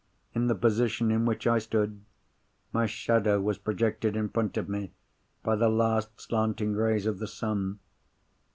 In the position in which I stood, my shadow was projected in front of me by the last slanting rays of the sun.